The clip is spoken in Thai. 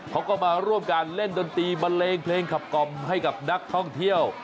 เขาก็มาร่วมกันเล่นดนตรีบันเลงเพลงขับกล่อมให้กับนักท่องเที่ยว